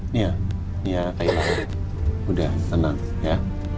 nia nia kailan udah tenang ya